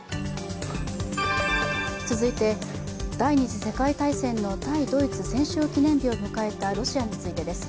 続いて、第二次世界大戦の対ドイツ戦勝記念日を迎えたロシアについてです。